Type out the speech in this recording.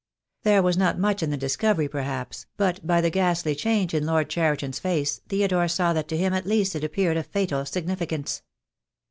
There was not much in the discovery perhaps, but by THE DAY WILL COME. I 67 the ghastly change in Lord Cheriton's face Theodore saw that to him at least it appeared of fatal significance.